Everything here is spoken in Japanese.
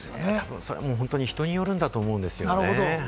本当に人によるんだと思うんですよね。